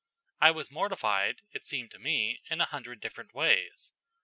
I was mortified, it seemed to me, in a hundred different ways.